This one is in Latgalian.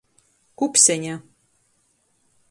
Kupseņa.